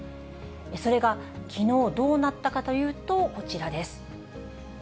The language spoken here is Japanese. それがきのう、どうなったかというと、こちらです。